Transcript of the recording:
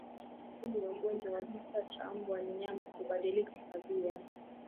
Dalili ya ugonjwa wa kichaa cha mbwa ni mnyama kubadilika tabia